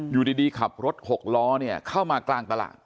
อยู่ดีขับรถ๖ล้อเข้ามากลางตลาด